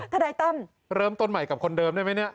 ทนายตั้มเริ่มต้นใหม่กับคนเดิมได้ไหมเนี่ย